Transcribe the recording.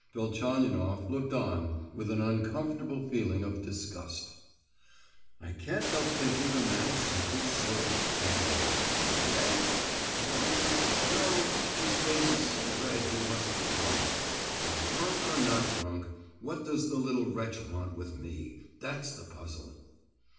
Velchaninoff looked on with an uncomfortable feeling of disgust. "I can't help thinking the man is simply silly," he thought; "and yet—no, no—his face is so red he must be drunk. But drunk or not drunk, what does the little wretch want with me? That's the puzzle."